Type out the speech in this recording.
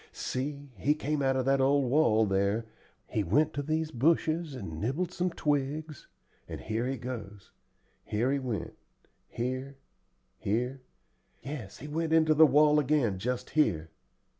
See, he came out of that old wall there, he went to these bushes and nibbled some twigs, and here he goes here he went here here yes, he went into the wall again just here.